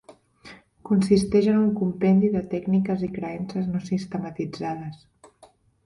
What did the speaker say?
Consisteix en un compendi de tècniques i creences no sistematitzades.